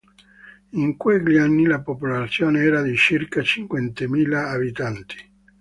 In quegli anni la popolazione era di circa cinquemila abitanti.